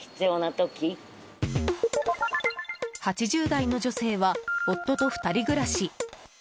８０代の女性は夫と２人暮らし。